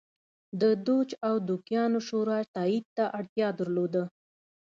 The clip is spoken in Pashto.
د دوج او دوکیانو شورا تایید ته اړتیا درلوده.